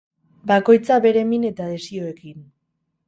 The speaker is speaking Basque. Bakoitza bere min eta desioekin.